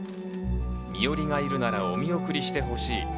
身寄りがいるならおみおくりしてほしい。